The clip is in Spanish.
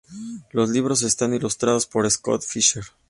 Los libros están ilustrados por Scott Fischer.